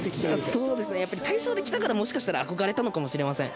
そうですね、やっぱり対照的だからもしかしたら憧れたのかもしれません。